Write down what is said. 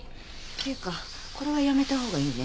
っていうかこれはやめた方がいいね。